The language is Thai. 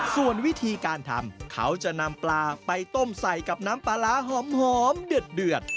ส่วนวิธีการทำเขาจะนำปลาไปต้มใส่กับน้ำปลาร้าหอมเดือด